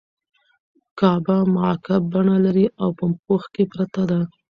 کعبه مکعب بڼه لري او په پوښ کې پټه ده.